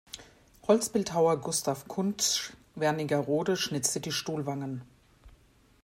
Holzbildhauer Gustav Kuntzsch, Wernigerode, schnitzte die Stuhlwangen.